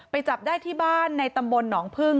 จับได้ที่บ้านในตำบลหนองพึ่ง